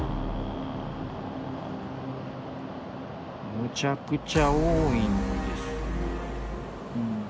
むちゃくちゃ多いんですよ。